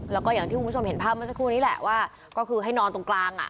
แล้วก็อย่างที่คุณผู้ชมเห็นภาพเมื่อสักครู่นี้แหละว่าก็คือให้นอนตรงกลางอ่ะ